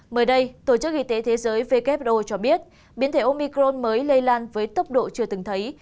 mới đây tổ chức y tế thế giới who cho biết biến thể omicron mới lây lan với tốc độ chưa từng thấy